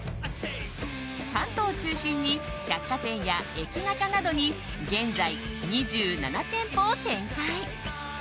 関東を中心に百貨店や駅ナカなどに現在２７店舗を展開。